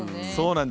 そう。